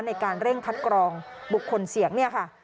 ในการเร่งคัดกรองบุคคลเสียงเนี่ยค่ะ